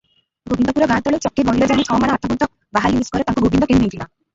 ଗୋବିନ୍ଦପୁର ଗାଁତଳେ ଚକେ ଗହୀର ଜମି ଛମାଣ ଆଠଗୁଣ୍ତ ବାହାଲି ନିଷ୍କର, ତାକୁ ଗୋବିନ୍ଦ କିଣିନେଇଥିଲା ।